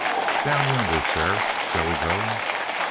"Down yonder, sheriff. Shall we go?"